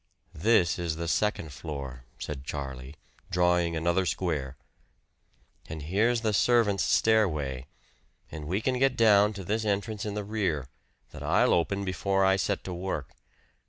"This is the second floor," said Charlie, drawing another square. "And here's the servant's stairway, and we can get down to this entrance in the rear, that I'll open before I set to work.